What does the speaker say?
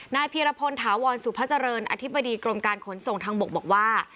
พีรพลถาวรสุพเจริญอธิบดีกรมการขนส่งทางบกบอกว่า